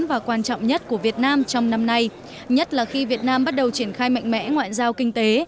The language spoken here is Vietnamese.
và quan trọng nhất của việt nam trong năm nay nhất là khi việt nam bắt đầu triển khai mạnh mẽ ngoại giao kinh tế